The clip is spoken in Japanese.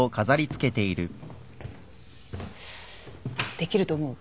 できると思う？